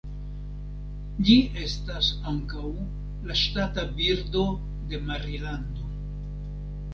Ĝi estas ankaŭ la ŝtata birdo de Marilando.